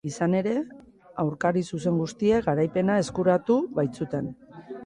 Izan ere, aurkari zuzen guztiek garaipena eskuratu baitzuten.